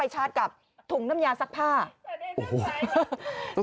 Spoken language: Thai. เจอเขาแล้ว